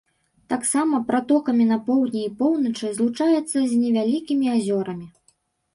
Таксама пратокамі на поўдні і поўначы злучаецца з невялікімі азёрамі.